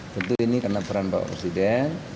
tentu ini karena peran bapak presiden